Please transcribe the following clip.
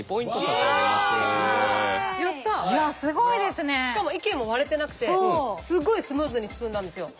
しかも意見も割れてなくてすごいスムーズに進んだんですよ。